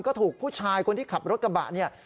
ก็ถูกผู้ชายคนที่ขับรถกระบะเนี่ย